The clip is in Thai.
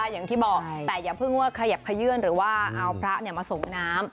อย่างที่บอกแต่อย่าเพิ่งว่าขยับขยื่นหรือว่าเอาพระมาส่งน้ำ